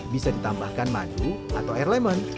bisa ditambahkan madu atau air lemon